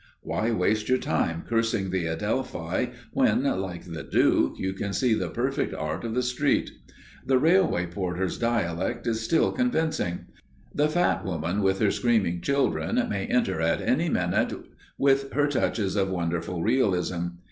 Why waste your time cursing the Adelphi, when, like the Duke, you can see the perfect art of the street? The railway porter's dialect is still convincing. The fat woman with her screaming children may enter at any minute, with her touches of wonderful realism.